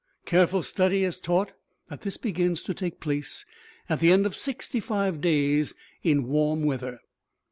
Careful study has taught us that this begins to take place at the end of sixty five days, in warm weather.